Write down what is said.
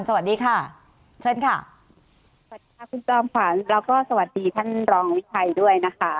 สวัสดีค่ะคุณจอมฝันแล้วก็สวัสดีท่านรองวิชัยด้วยนะคะ